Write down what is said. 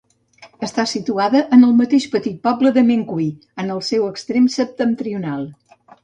Està situada en el mateix petit poble de Mencui, en el seu extrem septentrional.